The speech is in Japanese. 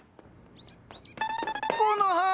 コノハ。